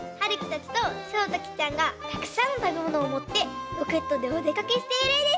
ちゃんがたくさんのたべものをもってロケットでおでかけしているえです。